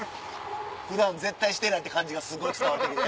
普段絶対してないって感じがすごい伝わって来て。